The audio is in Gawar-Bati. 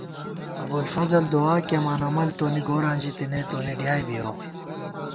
ابُوالفضل دُعا کېئیمان عمل تونی گوراں ژی تېنے تونی ڈیائے بِیَؤ